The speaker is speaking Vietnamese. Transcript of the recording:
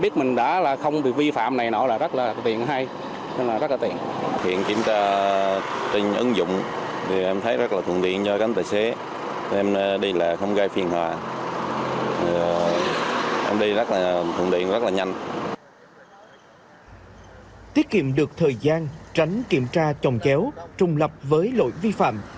tiết kiệm được thời gian tránh kiểm tra chồng chéo trùng lập với lỗi vi phạm